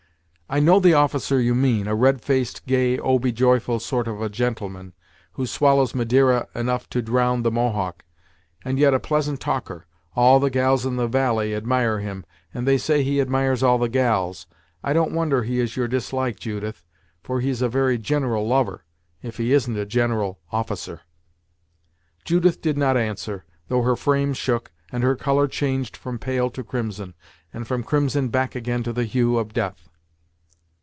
I know the officer you mean, a red faced, gay, oh! be joyful sort of a gentleman, who swallows madeira enough to drown the Mohawk, and yet a pleasant talker. All the gals in the valley admire him, and they say he admires all the gals. I don't wonder he is your dislike, Judith, for he's a very gin'ral lover, if he isn't a gin'ral officer." Judith did not answer, though her frame shook, and her colour changed from pale to crimson, and from crimson back again to the hue of death.